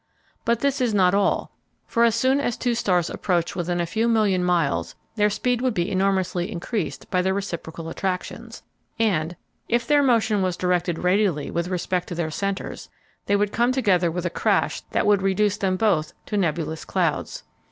But this is not all; for as soon as two stars approached within a few million miles their speed would be enormously increased by their reciprocal attractions and, if their motion was directed radially with respect to their centers, they would come together with a crash that would reduce them both to nebulous clouds.